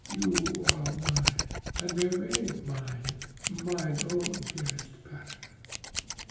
You are mine, and remain mine, mine own dearest Peregrine."